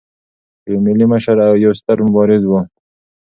هغه یو ملي مشر او یو ستر مبارز و.